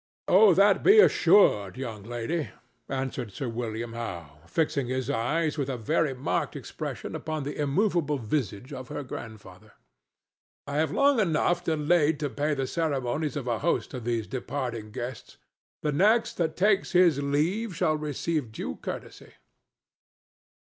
"Of that be assured, young lady," answered Sir William Howe, fixing his eyes with a very marked expression upon the immovable visage of her grandfather. "I have long enough delayed to pay the ceremonies of a host to these departing guests; the next that takes his leave shall receive due courtesy."